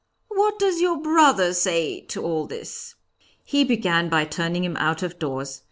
"What does your brother say to all this?" "He began by turning him out of doors.